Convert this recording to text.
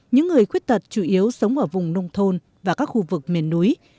những người khuyết tật chủ yếu sống ở vùng nông thôn và các khu vực miền núi